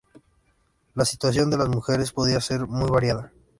La situación de las mujeres podía ser muy variada.